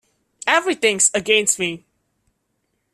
Everything’s against me.